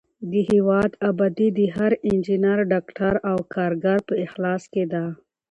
د هېواد ابادي د هر انجینر، ډاکټر او کارګر په اخلاص کې ده.